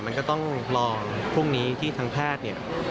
มันก็ต้องรอพรุ่งนี้ที่ทางแพทย์เนี่ย